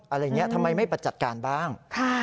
อะไรอย่างนี้ทำไมไม่ประจัดการบ้าง